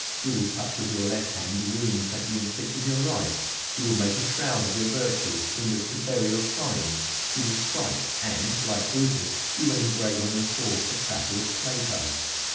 You will touch with your left hand the wounds that you inflict with your right; you will make a shroud of your virtue in which to bury your crimes; you will strike, and, like Brutus, you will engrave on your sword the prattle of Plato!